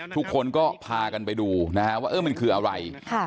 ทุกคนก็พากันไปดูนะฮะว่ามันคืออะไร